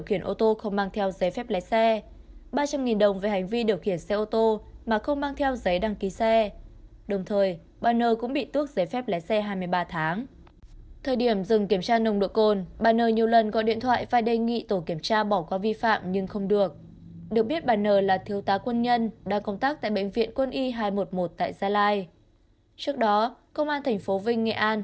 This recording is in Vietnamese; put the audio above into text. khi đến khoảng hai mươi giờ cùng ngày lái xe đê điều khiển xe ô tô đi theo đường trần phú để về nhà